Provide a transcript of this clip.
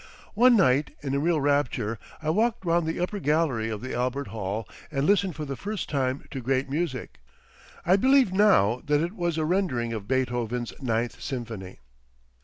One night in a real rapture, I walked round the upper gallery of the Albert Hall and listened for the first time to great music; I believe now that it was a rendering of Beethoven's Ninth Symphony....